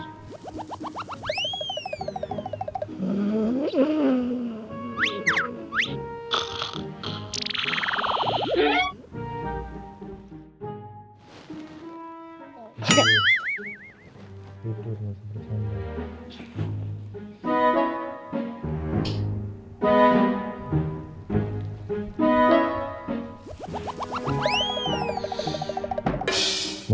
tidur masih bersandar